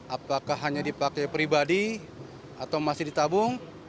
apakah hanya dipakai pribadi atau masih ditabung